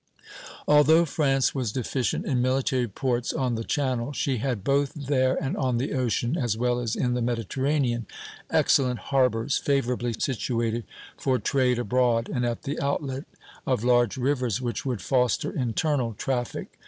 Although France was deficient in military ports on the Channel, she had both there and on the ocean, as well as in the Mediterranean, excellent harbors, favorably situated for trade abroad, and at the outlet of large rivers, which would foster internal traffic.